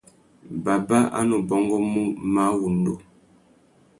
Baba a nu bôngômú máh wŭndú.